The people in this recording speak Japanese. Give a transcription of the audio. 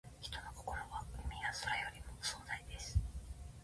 人の心は、海や空よりも壮大です。